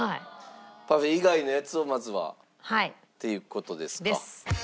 パフェ以外のやつをまずはっていう事ですか？です。